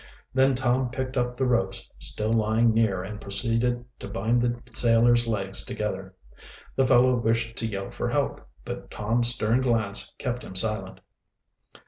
Then Tom picked up the ropes still lying near and proceeded to bind the sailor's legs together. The fellow wished to yell for help, but Tom's stern glance kept him silent.